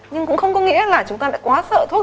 nhưng cũng không có nghĩa là chúng ta lại quá sợ thôi